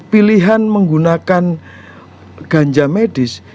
pilihan menggunakan ganja medis